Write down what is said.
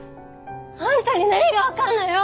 あんたに何が分かるのよ！